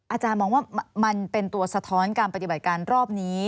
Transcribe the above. อาจารย์มองว่ามันเป็นตัวสะท้อนการปฏิบัติการรอบนี้